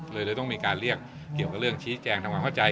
เลยเลยต้องมีการเรียกเกี่ยวกับเรื่องชี้แจงทำความเข้าใจ